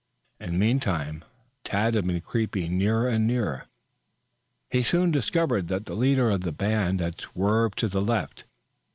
In the meantime Tad had been creeping nearer and nearer. He soon discovered that the leader of the band had swerved to the left.